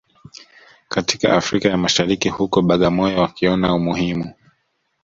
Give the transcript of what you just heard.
katika Afrika ya Mashariki huko Bagamoyo wakiona umuhimu